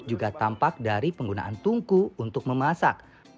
juga tampak dari penggunaan tungku untuk memasak